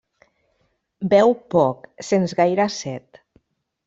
Beu poc, sens gaire set.